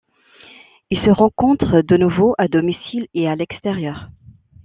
Ils se rencontrent de nouveau à domicile et à l'extérieur.